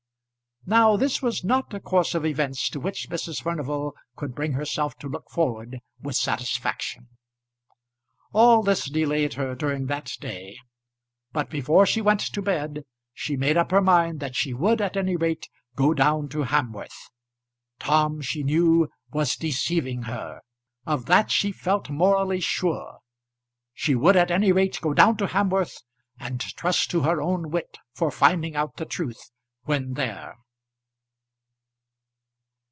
Now this was not a course of events to which Mrs. Furnival could bring herself to look forward with satisfaction. All this delayed her during that day, but before she went to bed she made up her mind that she would at any rate go down to Hamworth. Tom, she knew, was deceiving her; of that she felt morally sure. She would at any rate go down to Hamworth, and trust to her own wit for finding out the truth when there.